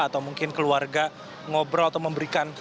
atau mungkin keluarga ngobrol atau memberikan